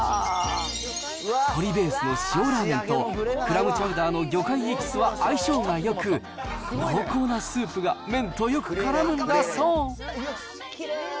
鶏ベースの塩ラーメンと、クラムチャウダーの魚介エキスは、相性がよく、濃厚なスープが麺とよくからむんだそう。